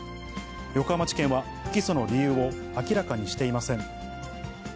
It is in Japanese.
横浜地検は不起訴の理由を明らかにしていません。